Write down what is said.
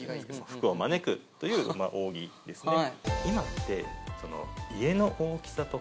福を招くという扇ですね。